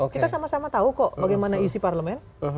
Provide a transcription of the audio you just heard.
kita sama sama tahu kok bagaimana isi parlemen